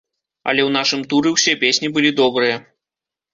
Але ў нашым туры ўсе песні былі добрыя.